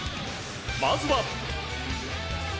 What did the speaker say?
まずは。